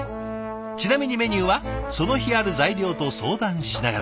ちなみにメニューはその日ある材料と相談しながら。